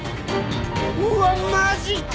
うわっマジか！